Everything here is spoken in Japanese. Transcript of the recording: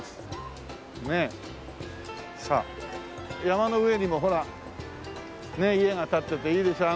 山の上にもほら家が立ってていいでしょ？